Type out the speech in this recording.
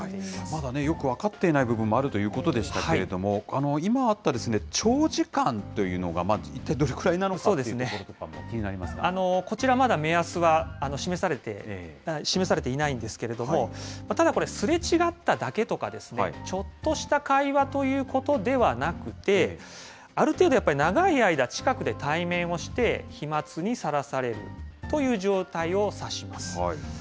まだよく分かっていない部分もあるということでしたけれども、今あった、長時間というのが一体どれぐらいなのかというところもこちら、まだ目安は示されていないんですけれども、ただ、これ、すれ違っただけとか、ちょっとした会話ということではなくて、ある程度、やっぱり長い間、近くで対面をして、飛まつにさらされるという状態を指します。